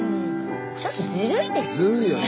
ちょっとずるいですよね。